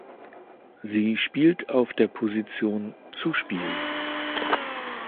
Sie spielt auf der Position Zuspiel.